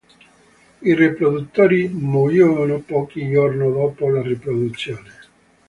I riproduttori muoiono pochi giorni dopo la riproduzione.